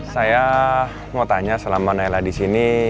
saya mau tanya selama nailah disini